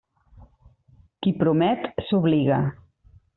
Qui promet, s'obliga.